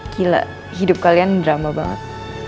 gila hidup kalian drama banget